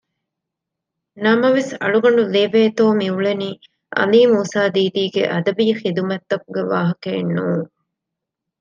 ނަމަވެސް އަޅުގަނޑު ލިޔެލެވޭތޯ މިއުޅެނީ ޢަލީ މޫސާދީދީގެ އަދަބީ ޚިދުމަތްތަކުގެ ވާހަކައެއް ނޫން